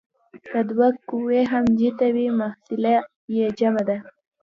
که دوه قوې هم جهته وي محصله یې جمع ده.